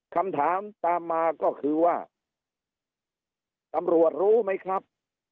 คำถามตามมาก็คือว่าตำรวจรู้ไหมครับ